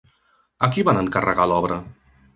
A qui van encarregar l'obra?